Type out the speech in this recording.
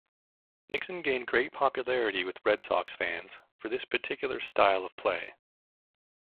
Nixon gained great popularity with Red Sox fans for this particular style of play.